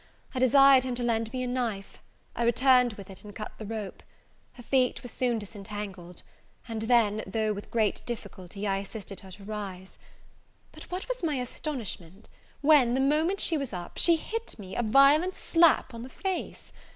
I desired him to lend me a knife: I returned with it, and cut the rope. Her feet were soon disentangled; and then, though with great difficulty, I assisted her to rise. But what was my astonishment, when, the moment she was up, she hit me a violent slap on the face!